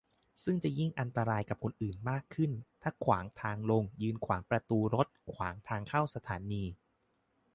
ซึ่งจะยิ่งอันตรายกับคนอื่นมากขึ้นถ้าขวางขาลง ยืนขวางประตูรถ ขวางทางเข้าสถานี